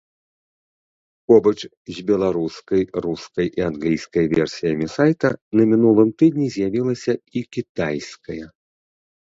Побач з беларускай, рускай і англійскай версіямі сайта на мінулым тыдні з'явілася і кітайская.